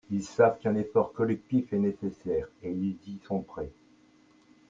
Ils savent qu’un effort collectif est nécessaire et ils y sont prêts.